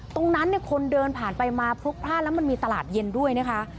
ตรงนั้นเนี่ยคนเดินผ่านไปมาพลุกพลาดแล้วมันมีตลาดเย็นด้วยนะคะ